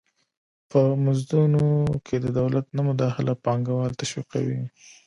په مزدونو کې د دولت نه مداخله پانګوال تشویقوي.